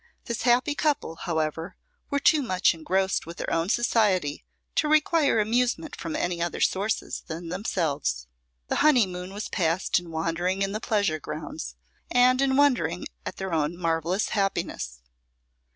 This happy couple, however, were too much engrossed with their own society to require amusement from any other sources than themselves. The honeymoon was passed in wandering in the pleasure grounds, and in wondering at their own marvellous happiness.